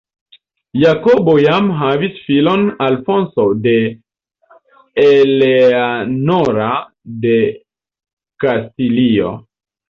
Jakobo jam havis filon Alfonso de Eleanora de Kastilio.